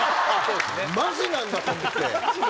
マジなんだと思って。